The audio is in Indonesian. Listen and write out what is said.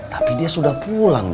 tapi dia sudah pulang